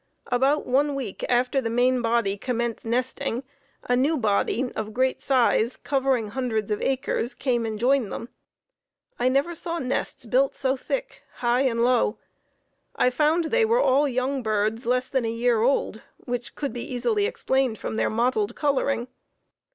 About one week after the main body commenced nesting, a new body of great size, covering hundreds of acres, came and joined them. I never saw nests built so thick, high and low. I found they were all young birds less than a year old, which could be easily explained from their mottled coloring.